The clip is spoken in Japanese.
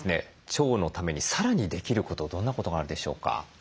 腸のためにさらにできることどんなことがあるでしょうか？